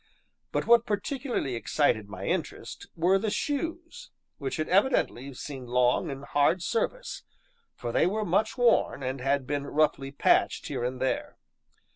But what particularly excited my interest were the shoes, which had evidently seen long and hard service, for they were much worn, and had been roughly patched here and there.